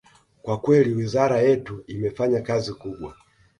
Kwa kweli wizara yetu imefanya kazi kubwa